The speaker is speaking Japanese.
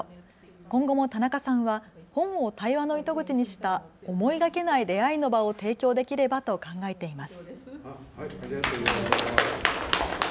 今後も田中さんは本を対話の糸口にした思いがけない出会いの場を提供できればと考えています。